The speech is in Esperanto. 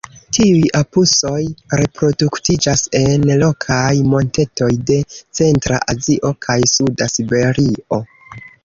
Tiuj apusoj reproduktiĝas en rokaj montetoj de centra Azio kaj suda Siberio.